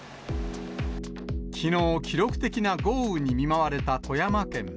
きのう、記録的な豪雨に見舞われた富山県。